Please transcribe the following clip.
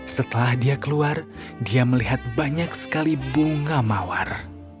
setelah dia keluar dia melihat banyak sekali bunga mawar